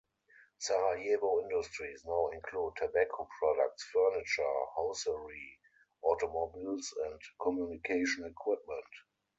Sarajevo industries now include tobacco products, furniture, hosiery, automobiles, and communication equipment.